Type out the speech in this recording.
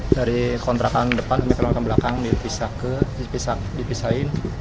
dari kontrakan depan di kontrakan belakang dipisahin